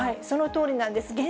そのとおりなんです。